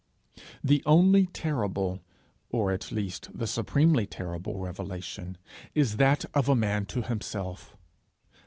The only terrible, or at least the supremely terrible revelation is that of a man to himself.